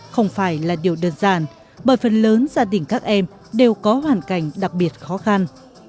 không phải là điều đơn giản bởi phần lớn gia đình các em đều có hoàn cảnh đặc biệt khó khăn